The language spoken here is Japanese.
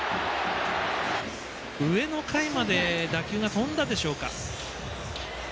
上の階まで打球が飛んだでしょうか。